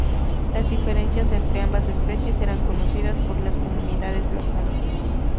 Las diferencias entre ambas especies eran conocidas por las comunidades locales.